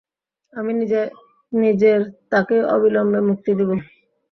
আমি নিজের তাকে অবিলম্বে মুক্তি দিবো।